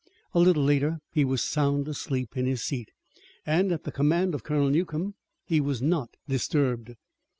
A little later he was sound asleep in his seat, and at the command of Colonel Newcomb he was not disturbed.